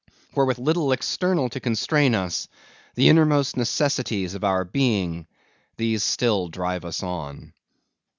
For with little external to constrain us, the innermost necessities in our being, these still drive us on.